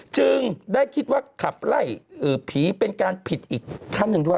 จึงได้คิดว่าขับไล่ผีเป็นการผิดอีกขั้นหนึ่งด้วย